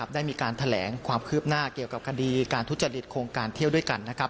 ได้มีการแถลงความคืบหน้าเกี่ยวกับคดีการทุจริตโครงการเที่ยวด้วยกัน